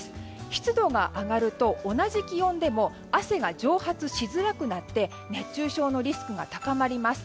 湿度が上がると同じ気温でも汗が蒸発しづらくなって熱中症のリスクが高まります。